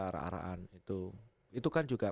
ara araan itu kan juga